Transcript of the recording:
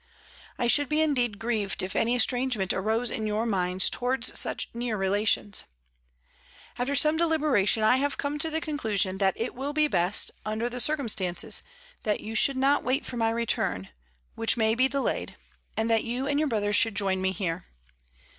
I should be indeed grieved if any estrangement arose in your minds towards such near relations. After 64 MRS. DYMOND. some deliberation I have come to the conclusion that it will be best, under the circumstances, that you should not wait for my return, which may be delayed, and that you and your brother should join me here.